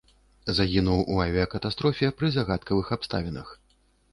Загінуў у авіякатастрофе пры загадкавых абставінах.